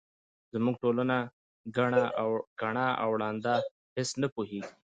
زموږ ټولنه کڼه او ړنده ده هیس نه پوهیږي.